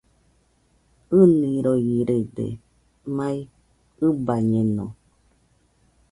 ɨniroirede, mai ɨbañeno